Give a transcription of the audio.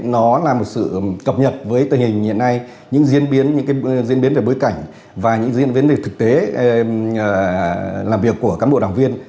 nó là một sự cập nhật với tình hình hiện nay những diễn biến những diễn biến về bối cảnh và những diễn biến về thực tế làm việc của cán bộ đảng viên